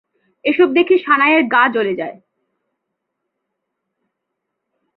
এসব দেখে সানাই এর গা জ্বলে যায়।